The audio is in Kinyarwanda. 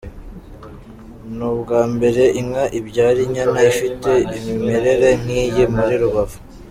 Ni ubwa mbere, inka ibyara inyana ifite imimerere nk’iyi muri Rubavu.